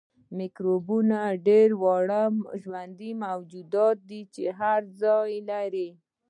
میکروبونه ډیر واړه ژوندي موجودات دي چې هر ځای وي